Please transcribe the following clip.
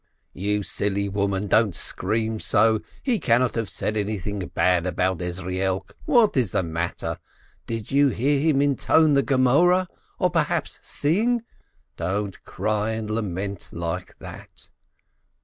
"You silly woman, don't scream so ! He cannot have said anything bad about Ezrielk. What is the matter? Did he hear him intone the Gemoreh, or perhaps sing? Don't cry and lament like that